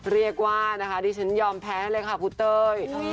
เรียกว่านะคะดิฉันยอมแพ้เลยค่ะคุณเต้ย